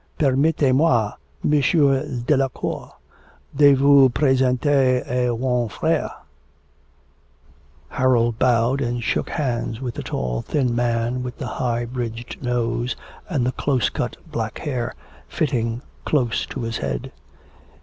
Permettez moi, Monsieur Delacour, de vous presenter a won frere_.' Harold bowed and shook hands with the tall thin man with the high bridged nose and the close cut black hair, fitting close to his head.